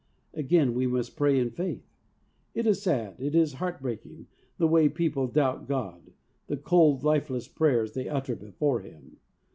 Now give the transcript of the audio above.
Again, we must pray in faith. It is sad, it is heart breaking, the way people doubt God, the cold, lifeless prayers they utter before Him